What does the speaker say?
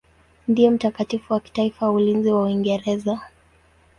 Ndiye mtakatifu wa kitaifa wa ulinzi wa Uingereza.